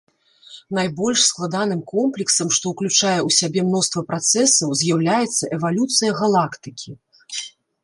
Найбольш складаным комплексам, што ўключае ў сябе мноства працэсаў, з'яўляецца эвалюцыя галактыкі.